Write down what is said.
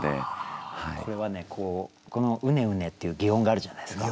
これはこの「うねうね」っていう擬音があるじゃないですか。